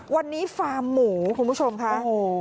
วันนี้ฟาร์มหมู่ของผู้ชมค่ะอ๋อ